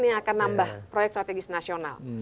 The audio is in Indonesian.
ini akan nambah proyek strategis nasional